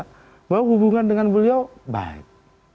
bahwa hubungan dengan beliau baik